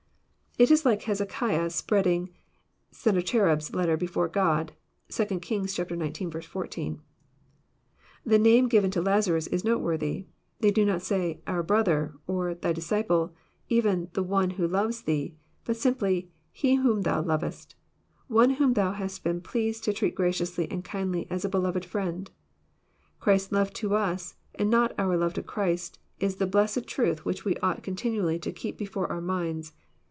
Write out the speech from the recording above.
It is like Hezekiah spread ing Sennacherib's letter before God. (2 Kings xix. 14.) — The name given to Lazarus is noteworthy : they do not say '* oar brother," or thy disciple," or even one who loves Thee," but simply he whom Thou lovest," one whom Thou hast been pleased to treat graciously and kindly as a beloved firlend. Christ's love to us, and not our love to Christ, is the blessed truth which we ought continually to keep before our minds.